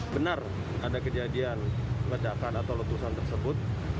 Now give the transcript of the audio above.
benar ada kejadian ledakan atau letusan tersebut